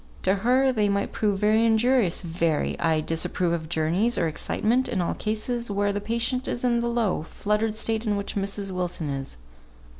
To her, they might prove very injurious, very. I disapprove of journeys, or excitement, in all cases where the patient is in the low, fluttered state in which Mrs. Wilson is.